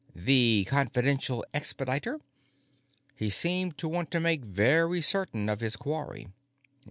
"The confidential expediter?" He seemed to want to make very certain of his quarry.